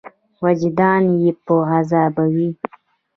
وجدان یې په عذابوي.